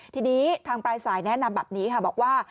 ทีนี้ทางปลายสายแนะนำแบบนี้ค่ะบอกว่า